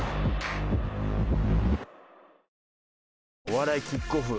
「お笑いキックオフ」